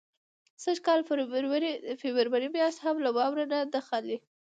سږ کال فبروري میاشت هم له واورو نه ده خالي.